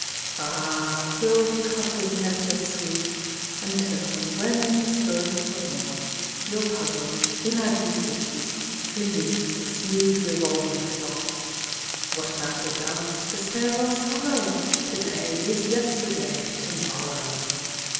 Ah, fill the cup with nectar sweet, Until, when indisposed for more, Your puzzled, inadhesive feet Elude the smooth revolving floor. What matter doubts, despair or sorrow? To day is Yesterday To morrow!